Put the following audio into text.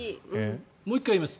もう１回言います。